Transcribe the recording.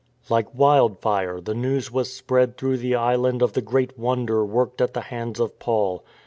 ^ Like wildfire the news was spread through the island of the great wonder worked at the hands of Paul.